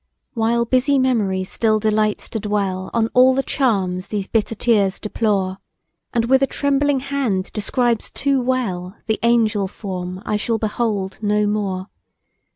While busy Memory still delights to dwell On all the charms these bitter tears deplore, And with a trembling hand describes too well The angel form I shall behold no more!